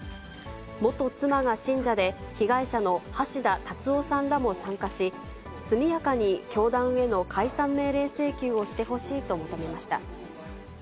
元妻が信者で、被害者の橋田達夫さんらも参加し、速やかに教団への解散命令請求をしてほしいと求めました。